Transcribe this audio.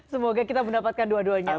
semoga kita mendapatkan dua duanya